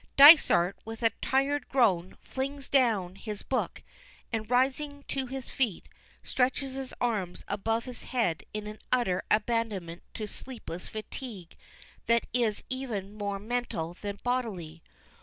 Dysart, with a tired groan, flings down his book, and, rising to his feet, stretches his arms above his head in an utter abandonment to sleepless fatigue that is even more mental than bodily.